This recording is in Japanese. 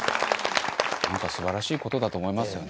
素晴らしい事だと思いますよね。